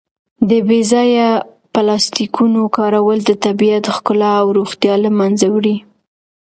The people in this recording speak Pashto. د بې ځایه پلاسټیکونو کارول د طبیعت ښکلا او روغتیا له منځه وړي.